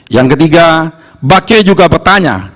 yang ketiga bake juga bertanya